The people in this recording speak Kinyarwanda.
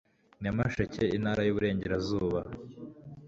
nyamasheke intara y iburengerazuba